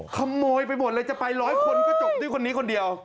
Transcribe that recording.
ขโมยไปหมดเลยจะไปร้อยคนก็จบด้วยคนนี้คนเดียว